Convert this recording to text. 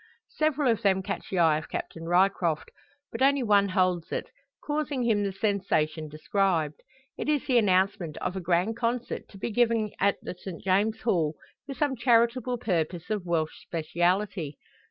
Several of them catch the eye of Captain Ryecroft, but only one holds it, causing him the sensation described. It is the announcement of a grand concert to be given at the St. James's Hall, for some charitable purpose of Welsh speciality.